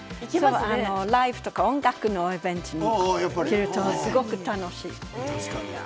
ライブとか音楽のイベントで着るとすごく楽しいです。